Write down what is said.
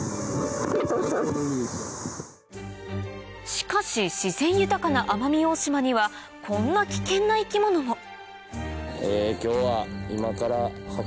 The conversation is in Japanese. しかし自然豊かな奄美大島にはこんな危険な生き物も今日は。